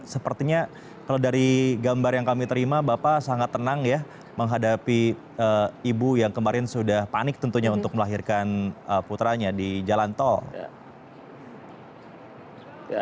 sepertinya kalau dari gambar yang kami terima bapak sangat tenang ya menghadapi ibu yang kemarin sudah panik tentunya untuk melahirkan putranya di jalan tol